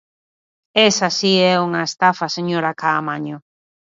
Esa si é unha estafa, señora Caamaño.